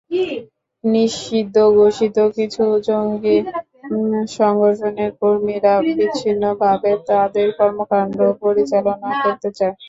নিষিদ্ধঘোষিত কিছু জঙ্গি সংগঠনের কর্মীরা বিচ্ছিন্নভাবে তাদের কর্মকাণ্ড পরিচালনা করতে চায়।